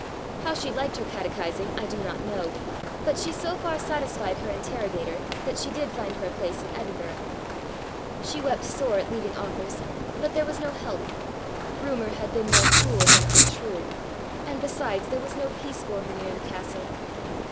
How she liked her catechizing I do not know, but she so far satisfied her interrogator that she did find her a place in Edinburgh. She wept sore at leaving Auchars, but there was no help: rumour had been more cruel than untrue, and besides there was no peace for her near the castle.